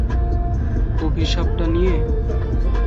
অভিশাপ টা নিয়ে?